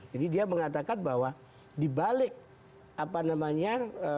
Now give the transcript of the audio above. jadi dia mengatakan bahwa dibalik apa namanya